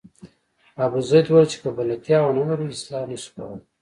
ابوزید وویل چې که بلدتیا ونه لرو اصلاح نه شو کولای.